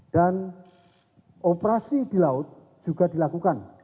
dan operasi di laut juga dilakukan